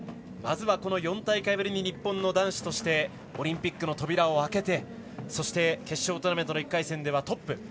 まずは４大会ぶりに日本の男子としてオリンピックの扉を開けて決勝トーナメントの１回戦ではトップ。